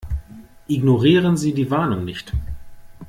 Ignorieren Sie die Warnung nicht.